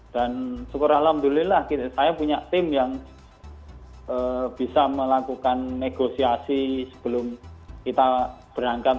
dan syukur allah alhamdulillah saya punya tim yang bisa melakukan negosiasi sebelum kita berangkat